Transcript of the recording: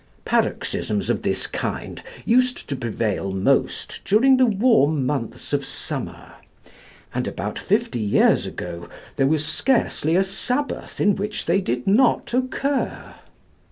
Paroxysms of this kind used to prevail most during the warm months of summer, and about fifty years ago there was scarcely a Sabbath in which they did not occur.